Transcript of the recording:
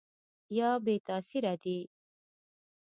یا بې تاثیره دي ؟